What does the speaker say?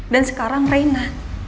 dan sekarang rina